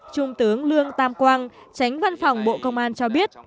trung tướng lương tam quang tránh văn phòng bộ công an cho biết